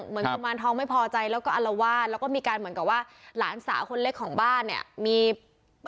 เหมือนกุมารทองไม่พอใจแล้วก็อาราวาทและมีการเหมือนกับว่าหลานสาวคนเล็กของบ้านเนี่ย